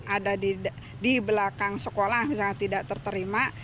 ada di belakang sekolah misalnya tidak terterima